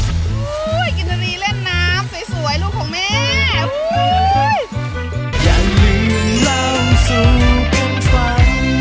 กินรีเล่นน้ำสวยลูกของแม่